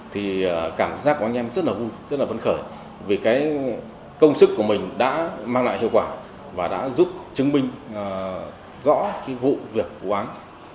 thì cảm giác của anh em rất là vui rất là vấn khởi vì cái công sức của mình đã mang lại hiệu quả và đã giúp chứng minh rõ cái vụ việc của quán